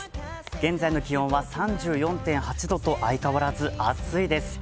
現在の気負いは３４．８度と相変わらず暑いです。